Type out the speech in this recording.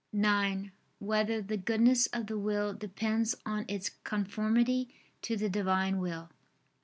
(9) Whether the goodness of the will depends on its conformity to the Divine Will?